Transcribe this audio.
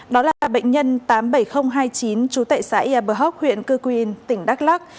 đó là bệnh nhân tám mươi bảy nghìn hai mươi chín chú tệ xã eberhock huyện cư quyền tỉnh đắk lắc